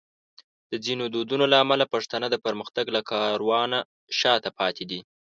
د ځینو دودونو له امله پښتانه د پرمختګ له کاروانه شاته پاتې دي.